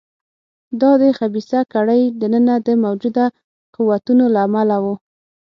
دا د خبیثه کړۍ دننه د موجوده قوتونو له امله و.